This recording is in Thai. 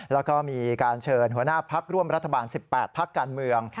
แล้วก็มีการเชิญหัวหน้าพักร่วมรัฐบาล๑๘พักการเมือง